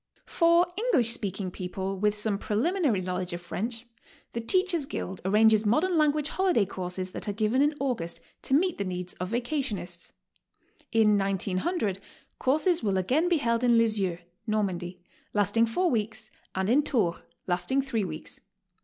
For English speaking people with some preliminary knowledge of French, the Teachers' Guild arranges Modern Language Holiday Courses .that are given in August, to meet the needs of vacationists. In 190O courses will again be held in Lisieux (Normandy), lasting four weeks, and in Tours, lasting three weeks.